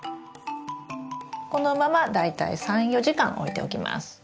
このまま大体３４時間置いておきます。